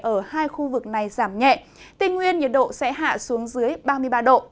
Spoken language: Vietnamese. ở hai khu vực này giảm nhẹ tây nguyên nhiệt độ sẽ hạ xuống dưới ba mươi ba độ